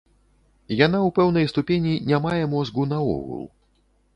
Яна ў пэўнай ступені не мае мозгу наогул.